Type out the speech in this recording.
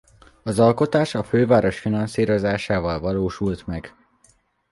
Az alkotás a főváros finanszírozásával valósult meg.